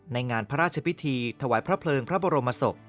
งานพระราชพิธีถวายพระเพลิงพระบรมศพ